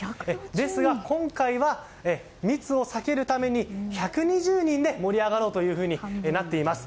ですが、今回は密を避けるために１２０人で盛り上がろうというふうになっています。